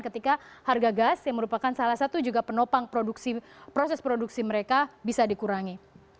ketika harga gas yang merupakan salah satu juga penopang proses produksi mereka bisa dikurangi